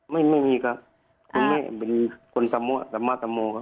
ก็ไม่ไงค่ะอ่าเดี๋ยวก็กลุ่มคนจำโมจำมาร์ตจำโมครับ